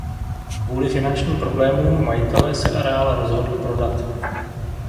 Kvůli finančním problémům majitele se areál rozhodl prodat.